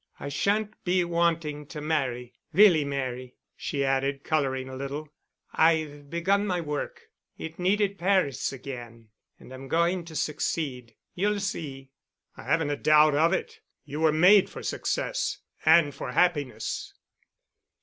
I shan't be wanting to marry—really marry——" she added, coloring a little. "I've begun my work. It needed Paris again. And I'm going to succeed. You'll see." "I haven't a doubt of it. You were made for success—and for happiness."